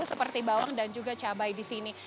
seperti bawang dan juga cabai di sini